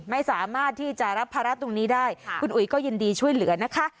ไม่สามารถที่จะรับภาระตรงนี้ได้คุณอุ๋ยก็ยินดีช่วยเหลือนะคะ